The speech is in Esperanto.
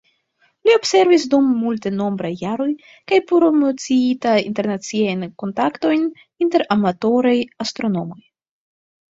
Li observis dum multenombraj jaroj kaj promociita internaciajn kontaktojn inter amatoraj astronomoj.